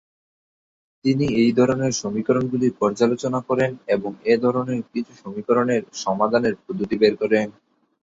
তিনি এই ধরনের সমীকরণগুলি পর্যালোচনা করেন এবং এ ধরনের কিছু সমীকরণের সমাধানের পদ্ধতি বের করেন।